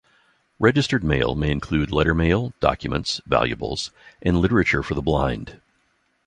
Registered Mail may include lettermail, documents, valuables, and literature for the blind.